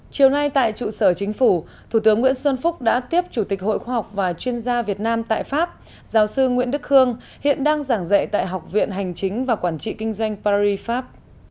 chiều nay tại trụ sở chính phủ thủ tướng nguyễn xuân phúc đã tiếp chủ tịch hội khoa học và chuyên gia việt nam tại pháp giáo sư nguyễn đức khương hiện đang giảng dạy tại học viện hành chính và quản trị kinh doanh paris pháp